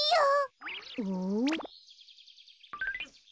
うん？